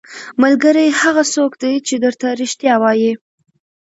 ملګری هغه څوک دی چې درته رښتیا وايي.